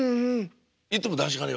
いつも談志がね